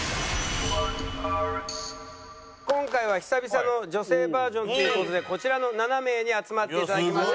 今回は久々の女性バージョンという事でこちらの７名に集まっていただきました。